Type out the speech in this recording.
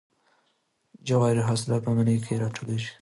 د جوارو حاصلات په مني کې راټولیږي.